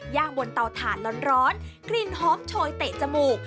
ย่างบนเตาถ่านร้อนข้อมชอยเตะจมูก